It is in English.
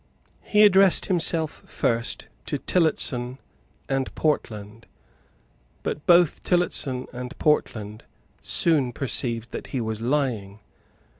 He addressed himself first to Tillotson and Portland; but both Tillotson and Portland soon perceived that he was lying.